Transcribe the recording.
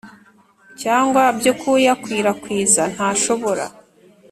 cyangwa byo kuyakwirakwiza ntashobora